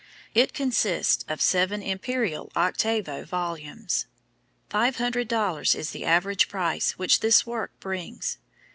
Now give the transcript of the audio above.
It consists of seven imperial octavo volumes. Five hundred dollars is the average price which this work brings.